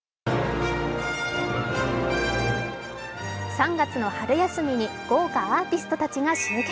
３月の春休みに豪華アーティストたちが集結。